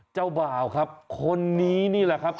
เจ้าบ่าวครับคนนี้นี่แหละครับ